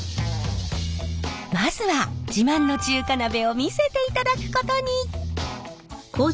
まずは自慢の中華鍋を見せていただくことに。